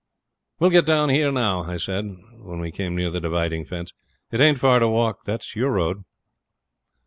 'We'll get down here now,' I said, when we came near the dividing fence; 'it ain't far to walk. That's your road.'